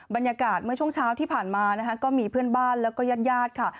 บรรยากาศเมื่อช่วงเช้าที่ผ่านมาก็มีเพื่อนบ้านและยาดค่ะ